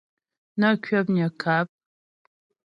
Nə́ kwəpnyə́ ŋkâp.